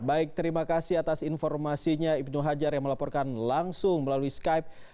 baik terima kasih atas informasinya ibnu hajar yang melaporkan langsung melalui skype